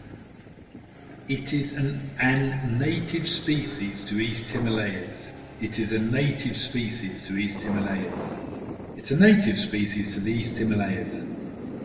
It is an native species to East Himalayas.